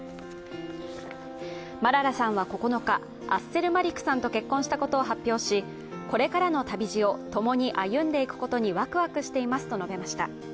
マララさんは９日アッセル・マリクさんと結婚したことを発表し、これからの旅路を共に歩んでいくことにワクワクしていますと述べました。